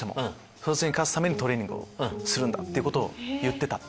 そいつに勝つためにトレーニングをするんだ」っていうことを言ってたって。